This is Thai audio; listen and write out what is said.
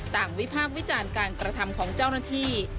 วิพากษ์วิจารณ์การกระทำของเจ้าหน้าที่